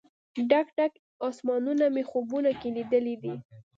ډک، ډک اسمانونه مې خوبونو کې لیدلې دي